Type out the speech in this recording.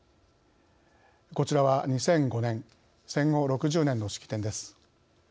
こちらは２００５年戦後６０年の式典です。